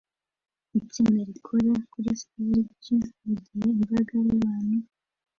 Itsinda rikora kuri stage mugihe imbaga y'abantu